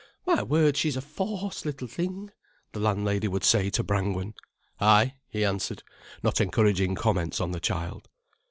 "My word, she's a fawce little thing," the landlady would say to Brangwen. "Ay," he answered, not encouraging comments on the child.